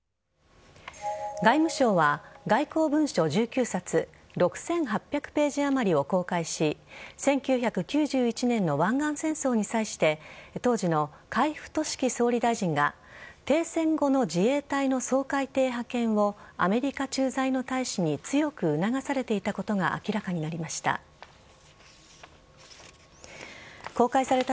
外務省は外交文書１９冊６８００ページあまりを公開し１９９１年の湾岸戦争に際して当時の海部俊樹総理大臣が停戦後の自衛隊の掃海艇派遣をアメリカ駐在の大使に強く促されていたことが明らかになりました。